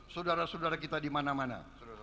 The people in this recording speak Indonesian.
saudara saudara kita dimana mana